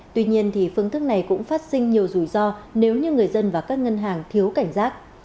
tuy nhiên thì phương thức này cũng phát sinh nhiều rủi ro nếu như người dân và các ngân hàng thiếu cảnh giác